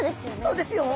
そうですよ！